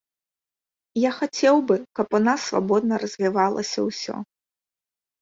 Я хацеў бы, каб у нас свабодна развівалася ўсё.